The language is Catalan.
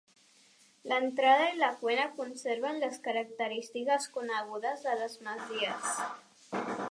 L'entrada i la cuina conserven les característiques conegudes a les masies.